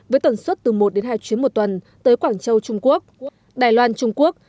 với tần suất từ một đến hai chuyến một tuần tới quảng châu trung quốc đài loan trung quốc